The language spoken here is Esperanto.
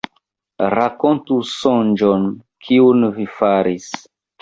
Rakontu sonĝon, kiun vi faris.